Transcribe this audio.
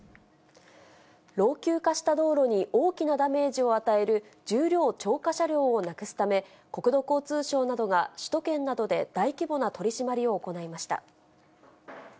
老朽化した道路に大きなダメージを与える重量超過車両をなくすため、国土交通省などが首都圏などで大規模な取締りを行いました。